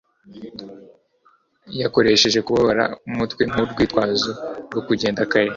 Yakoresheje kubabara umutwe nkurwitwazo rwo kugenda kare.